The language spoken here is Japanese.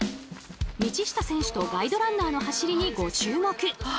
道下選手とガイドランナーの走りにご注目。